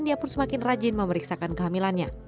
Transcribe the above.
dia pun semakin rajin memeriksakan kehamilannya